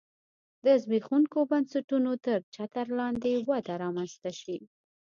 د زبېښونکو بنسټونو تر چتر لاندې وده رامنځته شي